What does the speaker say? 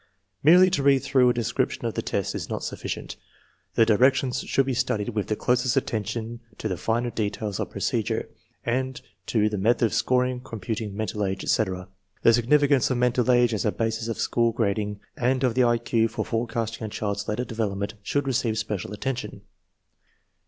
Merely to read through a description of the tests is not sufficient. The directions should be studied with the closest attention to the finer details of procedure, and to the method of scoring, computing mental age, etc. The significance of mental age as a basis of school grading and of the I Q for forecasting a child's later develop ment should receive special attention.